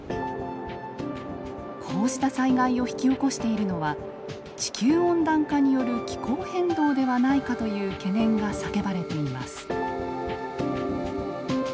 こうした災害を引き起こしているのは地球温暖化による気候変動ではないかという懸念が叫ばれています。